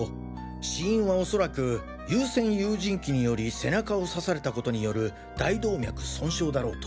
死因はおそらく有尖有刃器により背中を刺された事による大動脈損傷だろうと。